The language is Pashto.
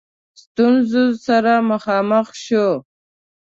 ستونزو سره مخامخ شو.